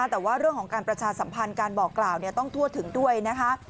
แต่ว่าเรื่องของการประชาสัมพันธ์การบอกกล่าวต้องทั่วถึงด้วยนะคะ